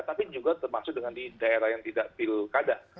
tapi juga termasuk dengan di daerah yang tidak pilkada